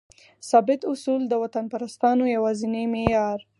ثابت اصول؛ د وطنپرستانو یوازینی معیار